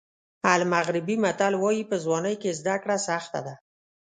المغربي متل وایي په ځوانۍ کې زده کړه سخته ده.